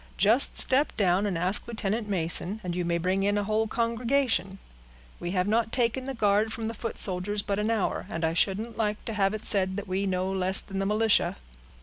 Just step down and ask Lieutenant Mason, and you may bring in a whole congregation. We have not taken the guard from the foot soldiers, but an hour, and I shouldn't like to have it said that we know less than the militia."